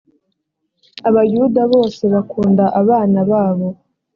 abayuda bose bakunda abana babo.